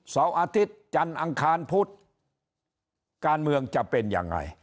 เสาร์อาทิตย์จันทร์อังคารพุธการเมืองจะเป็นยังไง